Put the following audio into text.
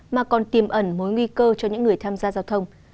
mà còn tiềm ẩn mối nguy cơ cho những người tham gia giao thông